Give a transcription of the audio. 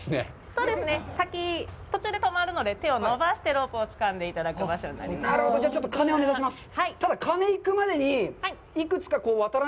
そうですね、先、途中で止まるので、手を伸ばしてロープをつかんでいただく場所になります。